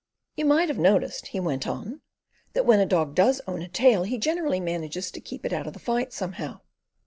"You might have noticed," he went on, "that when a dog does own a tail he generally manages to keep it out of the fight somehow."